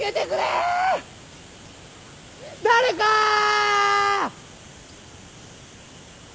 誰かぁー！！